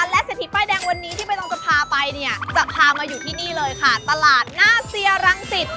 และเศรษฐีป้ายแดงวันนี้ที่ใบตองจะพาไปเนี่ยจะพามาอยู่ที่นี่เลยค่ะตลาดหน้าเซียรังสิต